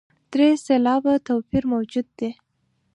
درې سېلابه توپیر موجود دی.